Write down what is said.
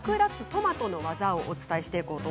トマトの技をお伝えします。